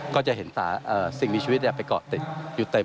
ก็จะเห็นสิ่งมีชีวิตไปเกาะติดอยู่เต็ม